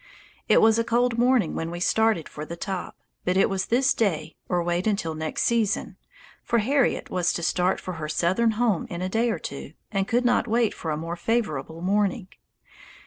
It was a cold morning when we started for the top, but it was this day or wait until next season, for Harriet was to start for her Southern home in a day or two and could not wait for a more favorable morning.